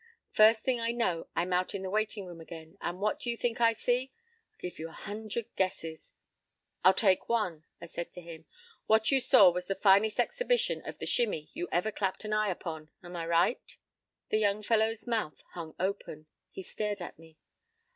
p> "First thing I know I'm out in the waitin' room again. And what you think I see? I give you a hundred guesses." "I'll take one," I said to him. "What you saw was the finest exhibition of the 'Shimmie' you ever clapped an eye upon. Am I right?" The young fellow's mouth hung open. He stared at me.